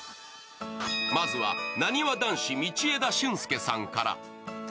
まずはなにわ男子、道枝駿佑さんから。